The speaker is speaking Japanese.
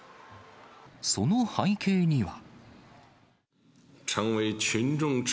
その背景には。